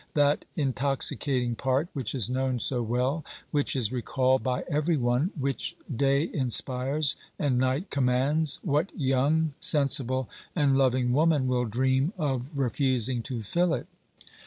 That intoxicating part, which is known so well, which is recalled by every one, which day inspires and night commands, what young, sensible and loving woman will dream of refusing to fill it